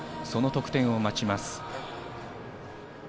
その得点を待ちます。